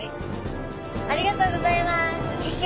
ありがとうございます。